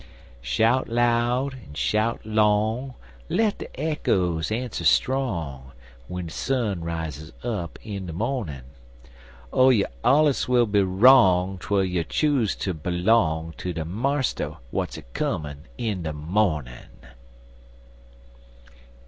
Shout loud en shout long, Let de eckoes ans'er strong, W'en de sun rises up in de mornin'! Oh, you allers will be wrong Twel you choose ter belong Ter de Marster w'at's a comin' in de mornin'!